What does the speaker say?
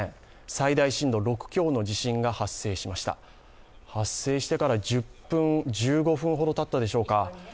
最大震度６強の地震が発生しました発生してから１０分１５分ほどたったでしょうか。